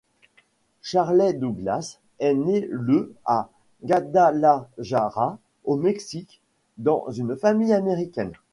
Charley Douglass est né le à Guadalajara au Mexique dans une famille américaine.